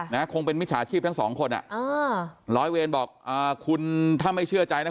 นะคงเป็นมิจฉาชีพทั้งสองคนอ่ะอ่าร้อยเวรบอกอ่าคุณถ้าไม่เชื่อใจนะ